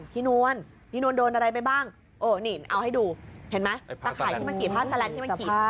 พี่นวนพี่นวนโดนอะไรไปบ้างเอาให้ดูเห็นไหมตะข่ายที่มันกรีดผ้าสาลานที่มันกรีด